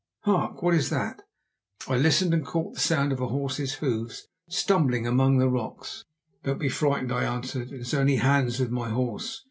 Hark, what is that?" I listened, and caught the sound of a horse's hoofs stumbling among the rocks. "Don't be frightened," I answered; "it is only Hans with my horse.